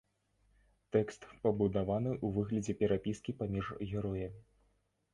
Тэкст пабудаваны ў выглядзе перапіскі паміж героямі.